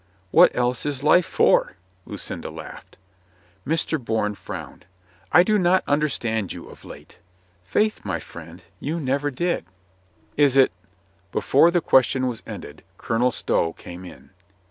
"What else is life for?" Lucinda laughed. Mr. Bourne frowned. "I do not understand you of late." "Faith, my friend, you never did." ROYSTON BREAKS HIS SWORD 141 "Is it— " Before the question was ended Colonel Stow came in.